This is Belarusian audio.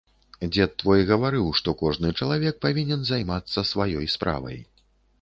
Дзед твой гаварыў, што кожны чалавек павінен займацца сваёй справай.